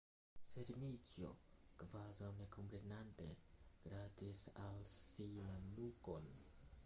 Sed Dmiĉjo, kvazaŭ ne komprenante, gratis al si la nukon.